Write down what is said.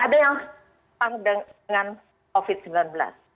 ada yang dengan covid sembilan belas